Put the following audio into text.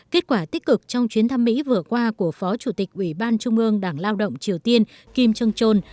kết quả tích cực trong chuyến thăm mỹ vừa qua của phó chủ tịch ủy ban trung ương đảng lao động triều tiên kim jong chon